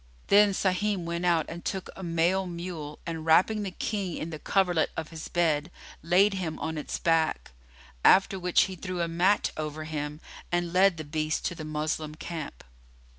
Then Sahim went out and took a male mule, and wrapping the King in the coverlet of his bed, laid him on its back; after which he threw a mat over him and led the beast to the Moslem camp.